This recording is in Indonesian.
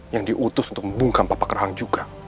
yang diutus untuk membungkam papa kerhang juga